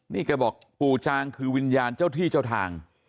นี่แกบอกปู่จางคือวิญญาณเจ้าที่เจ้าทาง